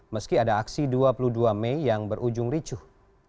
meski ada aksi dua puluh dua mei yang berujung ricuh